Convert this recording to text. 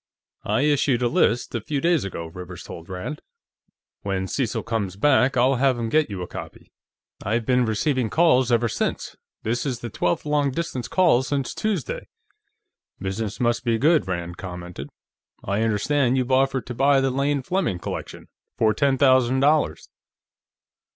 "I issued a list, a few days ago," Rivers told Rand. "When Cecil comes back, I'll have him get you a copy. I've been receiving calls ever since; this is the twelfth long distance call since Tuesday." "Business must be good," Rand commented. "I understand you've offered to buy the Lane Fleming collection. For ten thousand dollars."